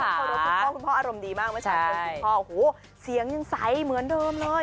คุณพ่ออารมณ์ดีมากสียังไซค์เหมือนเดิมเลย